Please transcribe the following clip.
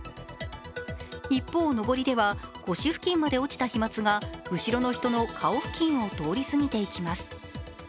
一方、上りでは腰付近まで落ちた飛まつがすぐに上昇し、後ろの人の顔付近を通り過ぎていきます。